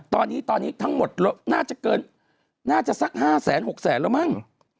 ตอนนี้ตอนนี้ทั้งหมดน่าจะเกินน่าจะสัก๕แสน๖แสนแล้วมั้ง